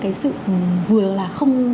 cái sự vừa là không